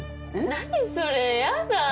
何それやだ。